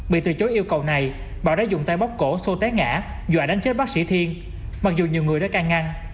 bị từ chối yêu cầu này bảo đã dùng tay bóc cổ xô té ngã dọa đánh chết bác sĩ thiên mặc dù nhiều người đã can ngăn